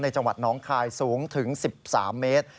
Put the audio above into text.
จังหวัดน้องคายสูงถึง๑๓เมตร